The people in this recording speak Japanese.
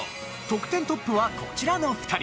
得点トップはこちらの２人。